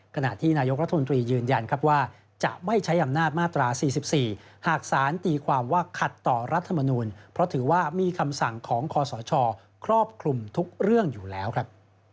ขณะที่นายกรัฐมนตรียืนยันครับว่าจะไม่ใช้อำนาจมาตรา๔๔หากสารตีความว่าขัดต่อรัฐมนูลเพราะถือว่ามีคำสั่งของคอสชครอบคลุมทุกเรื่องอยู่แล้วครับ